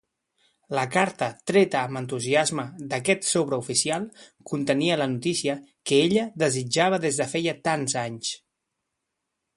La carta treta amb entusiasme d'aquest sobre oficial contenia la notícia que ella desitjava des de feia tants anys.